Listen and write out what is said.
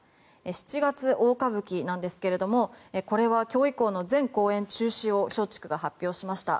七月大歌舞伎なんですがこれは、今日以降の全公演中止を松竹が発表しました。